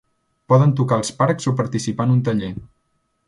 Poden tocar als parcs o participar en un taller.